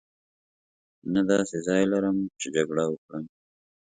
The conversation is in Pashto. نه داسې ځای لرم چې جګړه وکړم.